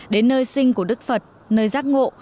đến nơi sinh của đức phật nơi giác ngộ